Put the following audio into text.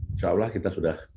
insya allah kita sudah